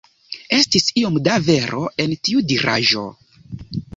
Estis iom da vero en tiu diraĵo.